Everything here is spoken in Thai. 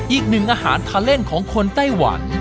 อีกหนึ่งอาหารทะเล่นของคนไต้หวัน